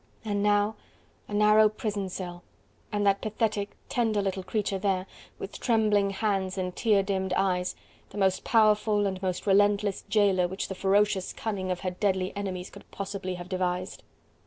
And now a narrow prison cell, and that pathetic, tender little creature there, with trembling hands and tear dimmed eyes, the most powerful and most relentless jailer which the ferocious cunning of her deadly enemies could possibly have devised.